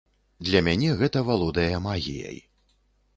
Для мяне гэта валодае магіяй.